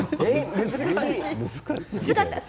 難しい。